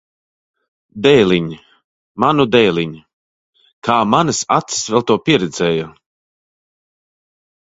Dēliņ! Manu dēliņ! Kā manas acis vēl to pieredzēja!